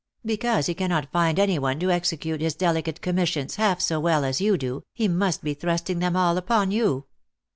Because he cannot find any one to execute his delicate commis sions half so well as you do, he must be thrusting them all upon you